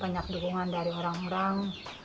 banyak dukungan dari orang orang